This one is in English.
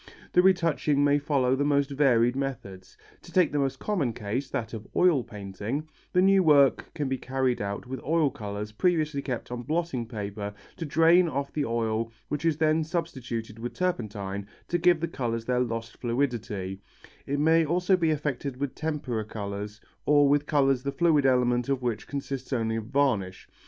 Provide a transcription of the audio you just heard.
The retouching may follow the most varied methods. To take the most common case, that of oil painting, the new work can be carried out with oil colours previously kept on blotting paper to drain off the oil which is then substituted with turpentine to give the colours their lost fluidity; it may also be effected with tempera colours or with colours the fluid element of which consists only of varnish.